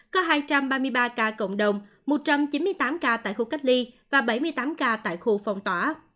có hai trăm ba mươi ba ca cộng đồng một trăm chín mươi tám ca tại khu cách ly và bảy mươi tám ca tại khu phong tỏa